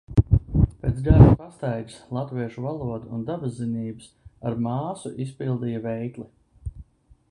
Pēc garas pastaigas latviešu valodu un dabaszinības ar māsu izpildīja veikli.